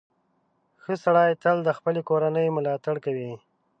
• ښه سړی تل د خپلې کورنۍ ملاتړ کوي.